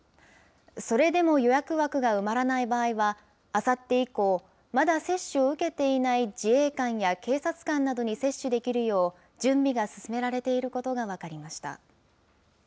それでも予約枠が埋まらない場合は、あさって以降、まだ接種を受けていない自衛官や警察官などに接種できるよう、準備が進められていることが分かりました。